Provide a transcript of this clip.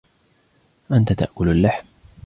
أنت تأكل اللحم.